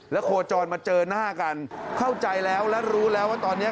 โคจรมาเจอหน้ากันเข้าใจแล้วและรู้แล้วว่าตอนนี้